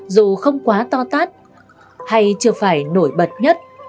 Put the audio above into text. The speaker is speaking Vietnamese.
dù không quá to tát hay chưa phải nổi bật nhất